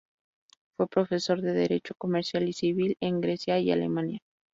Fue profesor de Derecho Comercial y Civil en Grecia y Alemania.